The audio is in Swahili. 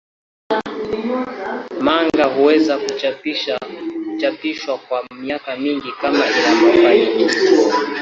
Manga huweza kuchapishwa kwa miaka mingi kama ina mafanikio.